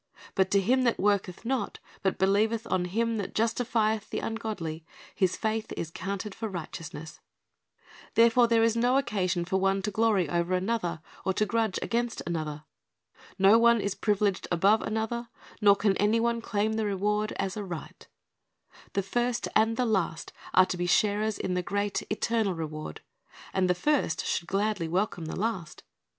But to him that worketh not, but believeth on Him that justificth the ungodly, his faith is counted for righteousness."' Therefore there is no 26 'Jer. 9:23, 24 2Roni.4:i 5 " The householder paid them /or <t /till day's ivork," 402 Oirist's Object Lessons occasion for one to glory over another, or to grudge against another. No one is privileged above another, nor can any one claim the reward as a right. The first and the last are to be sharers in the great, eternal reward, and the first should gladly welcome the last.